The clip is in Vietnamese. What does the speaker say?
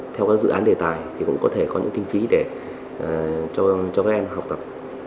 theo các dự án đề tài thì cũng có thể có những kinh phí để cho các em học tập